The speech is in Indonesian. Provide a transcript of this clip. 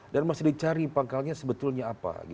dan masih dicari pangkalnya sebetulnya apa